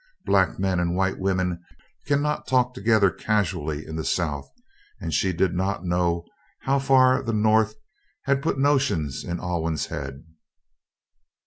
Black men and white women cannot talk together casually in the South and she did not know how far the North had put notions in Alwyn's head.